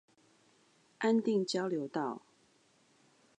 安定交流道